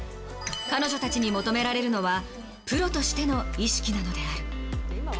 彼女たちに求められるのはプロとしての意識なのである。